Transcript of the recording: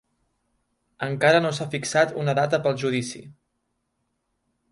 Encara no s'ha fixat una data pel judici.